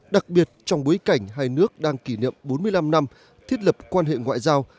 đặc biệt trong bối cảnh hai nước đang kỷ niệm bốn mươi năm năm thiết lập quan hệ ngoại giao